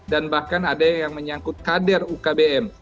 dan bahkan ada yang menyangkut kader ukbm